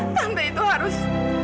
tante itu harus